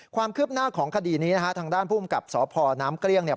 ความคืบหน้าของคดีนี้นะฮะทางด้านภูมิกับสพน้ำเกลี้ยงเนี่ย